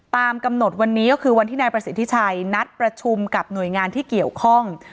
ตามกำหนดวันนี้ก็คือวันที่นายประสิทธิชัยนัดประชุมกับหน่วยงานที่เกี่ยวข้อง